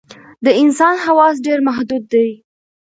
د انسان حواس ډېر محدود دي.